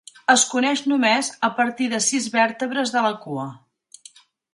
Es coneix només a partir de sis vèrtebres de la cua.